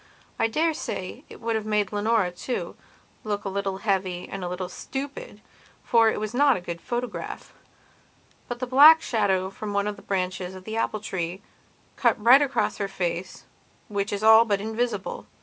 I dare say it would have made Leonora, too, look a little heavy and a little stupid, for it was not a good photograph. But the black shadow from one of the branches of the apple tree cut right across her face, which is all but invisible.